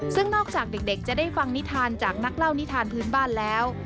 ซึ่งนอกจากเด็กจะได้ฟังนิทานจากนักเล่านิทานพื้นบ้านแล้ว